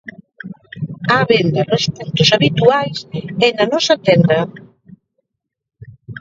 Á venda nos puntos habituais e na nosa tenda.